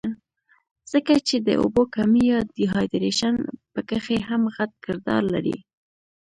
ځکه چې د اوبو کمے يا ډي هائيډرېشن پکښې هم غټ کردار لري